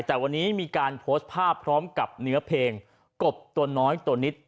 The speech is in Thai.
แต่วันนี้มีการโพสต์ภาพพร้อมกับเนื้อเพลงกบตัวน้อยตัวนิด